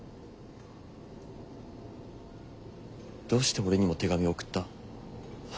どうして俺にも手紙を送った？